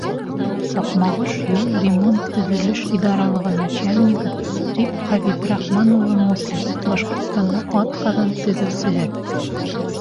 Саҡмағош юл ремонт-төҙөлөш идаралығы начальнигы Риф Хәбибрахман улы Мусин — Башҡортостандың атҡаҙанған төҙөүсеһе.